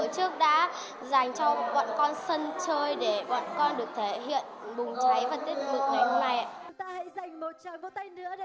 bàn tổ chức đã dành cho bọn con sân chơi để bọn con được thể hiện bùng cháy và tiết mục ngày hôm nay